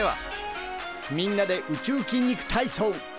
みんなで宇宙筋肉体操！